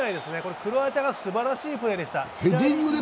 クロアチアがすばらしいプレーでした。